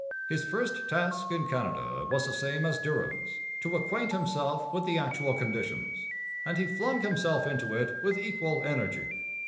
His first task in Canada was the same as Durham's to acquaint himself with the actual conditions and he flung himself into it with equal energy.